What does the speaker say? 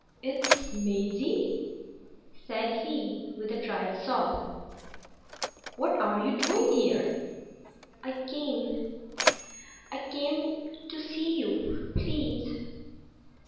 "It's Maisie!" said he, with a dry sob. "What are you doing here?" "I came—I came—to see you, please."